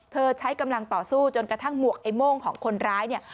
ใช้กำลังต่อสู้จนกระทั่งหมวกไอ้โม่งของคนร้ายเนี่ย